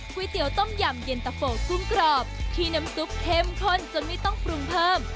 เตี๋ยต้มยำเย็นตะโฟกุ้งกรอบที่น้ำซุปเข้มข้นจนไม่ต้องปรุงเพิ่ม